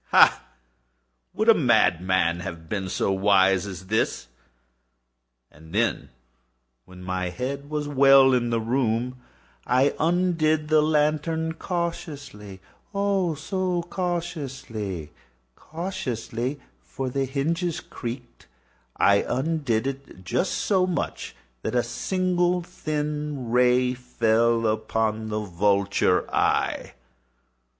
Ha!—would a madman have been so wise as this? And then, when my head was well in the room, I undid the lantern cautiously—oh, so cautiously—cautiously (for the hinges creaked)—I undid it just so much that a single thin ray fell upon the vulture eye.